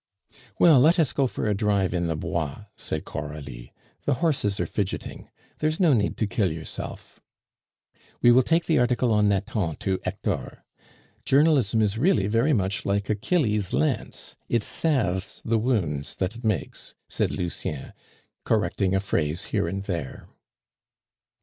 "Well, let us go for a drive in the Bois," said Coralie, "the horses are fidgeting. There is no need to kill yourself." "We will take the article on Nathan to Hector. Journalism is really very much like Achilles' lance, it salves the wounds that it makes," said Lucien, correcting a phrase here and there.